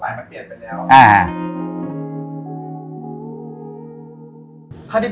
ไม่มีทาง